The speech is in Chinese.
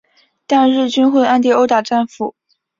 但日军会暗地殴打战俘。